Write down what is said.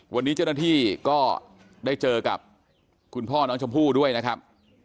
วันนี้เจ้าหน้าที่ก็ได้เจอกับคุณพ่อน้องชมพู่ด้วยนะครับ